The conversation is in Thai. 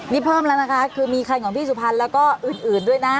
นี่เพิ่มแล้วนะคะคือมีคันของพี่สุพรรณแล้วก็อื่นด้วยนะ